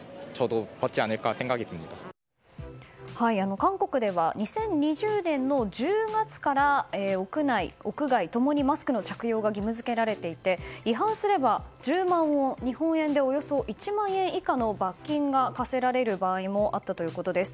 韓国では２０２０年の１０月から屋内・屋外ともにマスクの着用が義務付けられていて違反すれば１０万ウォン日本円でおよそ１万円以下の罰金が科せられる場合もあったということです。